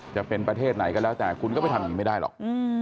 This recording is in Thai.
จะเป็นประเทศไหนก็แล้วแต่คุณก็ไปทำอย่างนี้ไม่ได้หรอก